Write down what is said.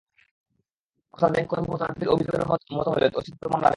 অর্থাৎ ব্যাংক কর্মকর্তা রাব্বীর অভিযোগের মতো হলে ওসি দ্রুত মামলা নেবেন।